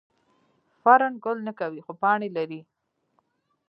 فرن ګل نه کوي خو پاڼې لري